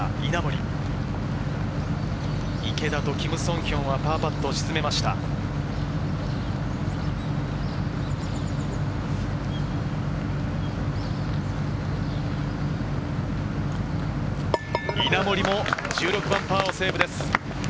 稲森も１６番パーをセーブです。